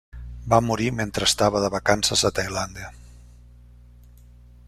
Va morir mentre estava de vacances a Tailàndia.